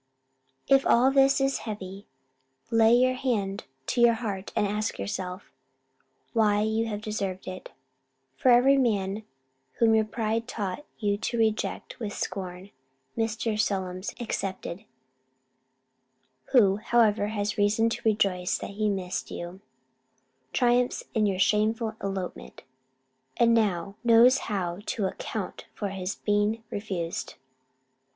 If all this is heavy, lay your hand to your heart, and ask yourself, why you have deserved it? Every man whom your pride taught you to reject with scorn (Mr. Solmes excepted, who, however, has reason to rejoice that he missed you) triumphs in your shameful elopement, and now knows how to account for his being refused.